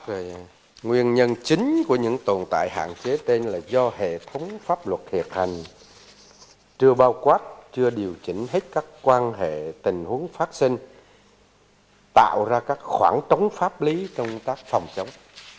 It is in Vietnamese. rồi nguyên nhân chính của những tồn tại hạn chế tên là do hệ thống pháp luật hiện hành chưa bao quát chưa điều chỉnh hết các quan hệ tình huống phát sinh tạo ra các khoảng trống pháp lý trong công tác phòng chống